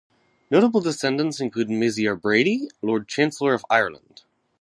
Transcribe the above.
Notable descendants include Maziere Brady, Lord Chancellor of Ireland.